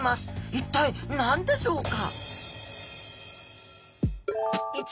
一体何でしょうか？